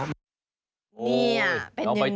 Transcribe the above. นี่เป็นยังไงค่ะ